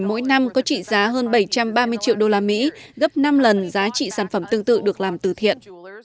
mỗi năm có trị giá hơn bảy trăm ba mươi triệu đô la mỹ gấp năm lần giá trị sản phẩm tương tự được làm từ thiện